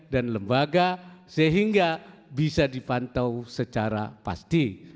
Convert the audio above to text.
dan lembaga sehingga bisa dipantau secara pasti